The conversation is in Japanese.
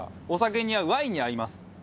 お酒に合うワインに合います。